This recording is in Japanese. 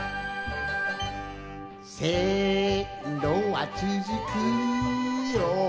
「せんろはつづくよ